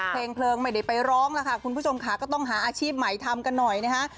เพลงเพลิงไม่ได้ไปร้องแล้วค่ะคุณผู้ชมค่ะก็ต้องหาอาชีพใหม่ทำกันหน่อยนะฮะ